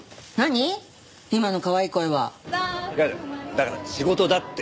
だから仕事だって！